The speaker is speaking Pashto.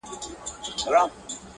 • بيا نو منم چي په اختـر كي جــادو.